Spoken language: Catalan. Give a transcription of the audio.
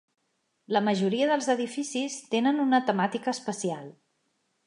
La majoria dels edificis tenen una temàtica especial.